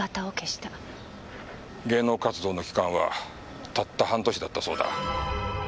芸能活動の期間はたった半年だったそうだ。